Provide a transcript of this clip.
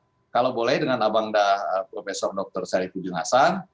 terutama kalau boleh dengan abang prof dr s pujung hasan